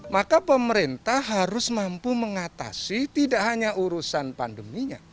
maka pemerintah harus mampu mengatasi tidak hanya urusan pandeminya